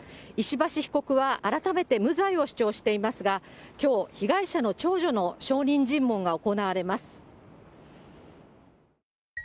石橋被告は改めて無罪を主張していますが、きょう、被害者の長女の証人尋問が行われます。